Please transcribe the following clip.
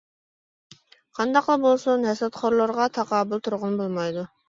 -قانداقلا بولسۇن، ھەسەتخورلارغا تاقابىل تۇرغىنى بولمايدۇ.